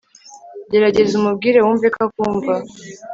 gerageza umubwire wumveko akumva